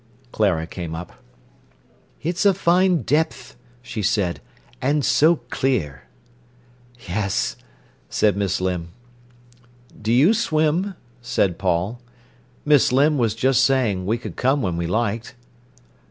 Clara came up. "It's a fine depth," she said, "and so clear." "Yes," said Miss Limb. "Do you swim?" said Paul. "Miss Limb was just saying we could come when we liked."